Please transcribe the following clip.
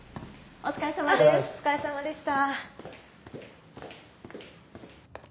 お疲れさまでした。